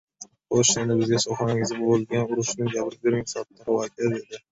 — Xo‘sh, endi bizga choyxonangizda bo‘lgan urushni gapirib bering, Sattorov aka, — dedi.